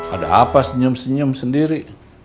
ada apa senyum senyum sendiri